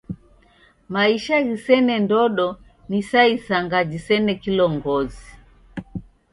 Maisha ghisene ndodo ni sa isanga jisena kilongozi.